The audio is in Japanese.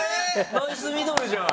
ナイスミドルじゃん。